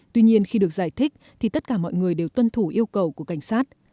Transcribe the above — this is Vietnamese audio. tuy nhiên khi được giải thích thì tất cả mọi người đều tuân thủ yêu cầu của cảnh sát